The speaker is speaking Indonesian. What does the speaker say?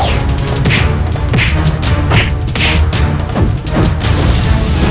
aku harus menolongnya